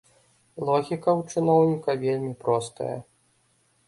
Логіка ў чыноўніка вельмі простая.